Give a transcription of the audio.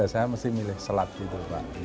saya mesti milih slat gitu